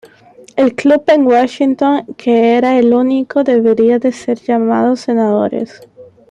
El club en Washington que era el único, debería de ser llamado Senadores.